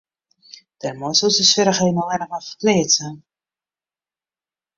Dêrmei soest de swierrichheden allinne mar ferpleatse.